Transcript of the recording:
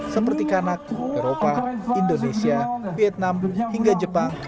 seperti kanak eropa indonesia vietnam hingga jepang